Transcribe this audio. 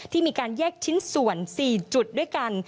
มีการแยกชิ้นส่วน๔จุดด้วยกัน